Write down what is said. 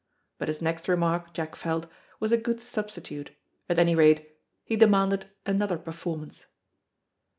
But his next remark, Jack felt, was a good substitute; at any rate, he demanded another performance.